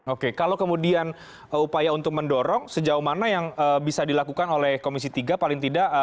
oke kalau kemudian upaya untuk mendorong sejauh mana yang bisa dilakukan oleh komisi tiga paling tidak